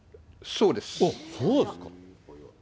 おっ、そうですか。